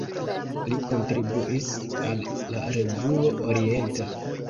Li kontribuis al "La Revuo Orienta".